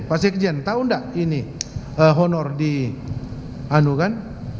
pak sekjen tahu enggak ini honor di anugan